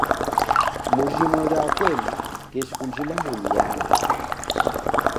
Mujimo lia kwenu keshikundjilamo nyi yala.